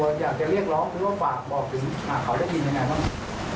อยากจะเรียกร้องหรือว่าฝากบอกถึงเขาได้ยินยังไงบ้าง